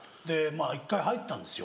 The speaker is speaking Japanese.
１回入ったんですよ